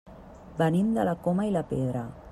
Venim de la Coma i la Pedra.